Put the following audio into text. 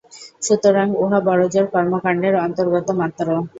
সুতরাং উহা বড়জোর কর্মকাণ্ডের অন্তর্গত মাত্র।